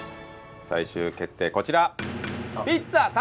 最終決定こちら。